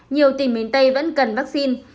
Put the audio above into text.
nhiều tỉnh miền tây vẫn cần vaccine